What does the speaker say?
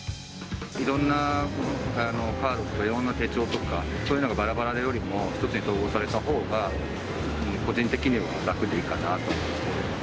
いろんなカードとか、いろんな手帳とか、そういうのがばらばらよりも、一つに統合されたほうが、個人的には楽でいいかなと思います。